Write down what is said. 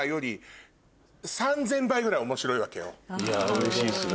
うれしいっすね。